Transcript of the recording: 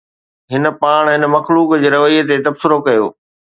هن پاڻ هن مخلوق جي رويي تي تبصرو ڪيو